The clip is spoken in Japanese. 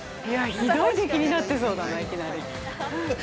ひどい出来になってそうだないきなり。